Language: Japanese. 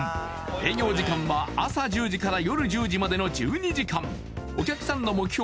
営業時間は朝１０時から夜１０時までの１２時間お客さんの目標